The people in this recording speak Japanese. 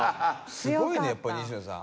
すごいねやっぱ西野さん。